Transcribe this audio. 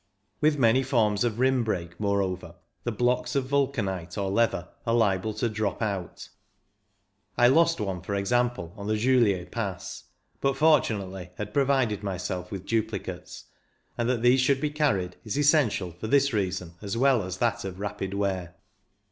With many forms of rim brake, moreover, the blocks of vulcanite or leather are liable to drop out. I lost one, for example, on the Julier Pass, but fortunately had provided myself with duplicates, and that these should be carried is essential for this reason as well as that of rapid wear.